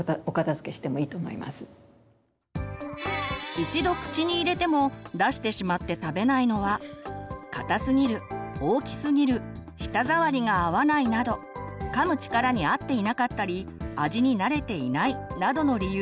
一度口に入れても出してしまって食べないのは硬すぎる大きすぎる舌触りが合わないなどかむ力に合っていなかったり味に慣れていないなどの理由があります。